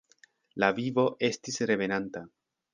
La vivo estis revenanta.